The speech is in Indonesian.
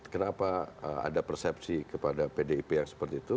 kenapa ada persepsi kepada pdip yang seperti itu